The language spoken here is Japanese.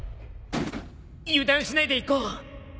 油断しないでいこう。